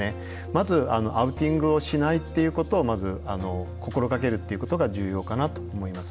まずアウティングをしないっていうことをまず心がけるっていうことが重要かなと思います。